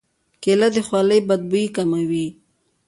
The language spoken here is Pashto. کېله د خولې بد بوی کموي.